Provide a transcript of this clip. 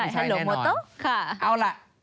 ใช่ฮัลโหลโมโตค่ะเอาล่ะ